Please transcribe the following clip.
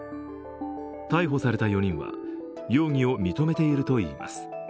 逮捕された４人は容疑を認めているといいます。